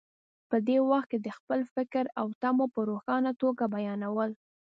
په دې وخت کې د خپل فکر او تمو په روښانه توګه بیانول.